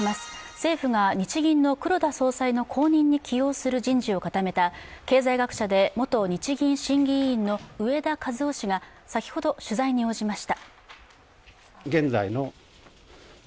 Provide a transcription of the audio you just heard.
政府が日銀の黒田総裁の後任に起用する人事を固めた経済学者で元日銀審議委員の植田和男氏が先ほど取材に応じました。